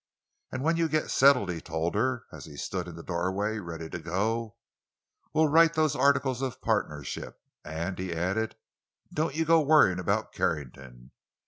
"And when you get settled," he told her, as he stood in the doorway, ready to go, "we'll write those articles of partnership. And," he added, "don't you go to worrying about Carrington.